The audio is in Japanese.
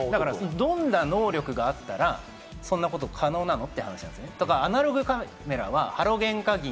だから、どんな能力があったらそんなこと可能なの？って話です。